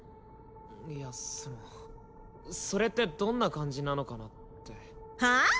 いやそのそれってどんな感じなのかなってはあ？